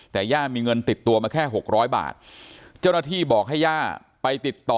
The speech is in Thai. แต่ย่ามีเงินติดตัวมาแค่๖๐๐บาทเจ้าหน้าที่บอกให้ย่าไปติดต่อ